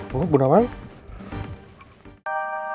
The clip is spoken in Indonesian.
bu bunah mana